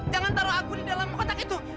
jangan taruh aku di dalam kotak itu